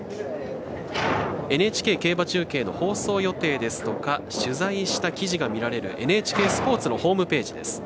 ＮＨＫ競馬中継の放送予定ですとか取材した記事が見られるＮＨＫスポーツのホームページです。